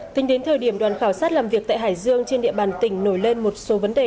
tính đến thời điểm đoàn khảo sát làm việc tại hải dương trên địa bàn tỉnh nổi lên một số vấn đề